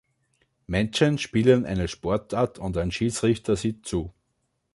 Menschen spielen eine Sportart und ein Schiedsrichter sieht zu.